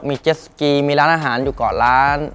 มีเจสสกีมีร้านอาหารอยู่เกาะร้าน